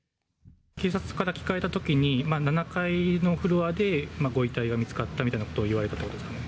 警察から聞かれたときに、７階のフロアでご遺体が見つかったみたいなことを言われたんですかね？